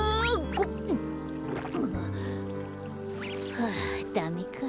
はあダメか。